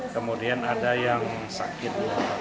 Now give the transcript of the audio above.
kemudian ada yang sakit